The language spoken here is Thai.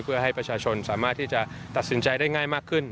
เพื่อให้ประชาชนสามารถที่จะตัดสินใจได้ง่ายมากขึ้น